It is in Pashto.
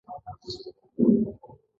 موږ به د ناپوهۍ په دښته کې نه یو.